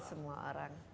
untuk semua orang